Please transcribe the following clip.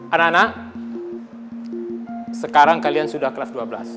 anak anak sekarang kalian sudah kelas dua belas